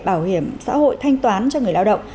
bảo hiểm xã hội thanh toán cho người lao động